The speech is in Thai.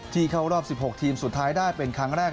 เข้ารอบ๑๖ทีมสุดท้ายได้เป็นครั้งแรก